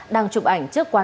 đang chụp ảnh trước quán